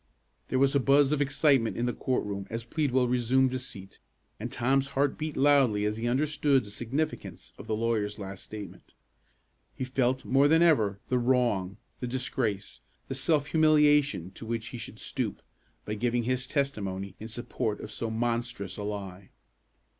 There was a buzz of excitement in the court room as Pleadwell resumed his seat; and Tom's heart beat loudly as he understood the significance of the lawyer's last statement. He felt, more than ever, the wrong, the disgrace, the self humiliation to which he should stoop, by giving his testimony in support of so monstrous a lie.